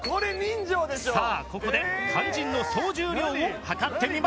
さあここで肝心の総重量を量ってみましょう。